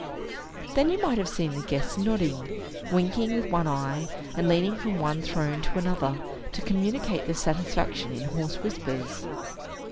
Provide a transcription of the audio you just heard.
Then you might have seen the guests nodding, winking with one eye, and leaning from one throne to another, to communicate their satisfaction in hoarse whispers.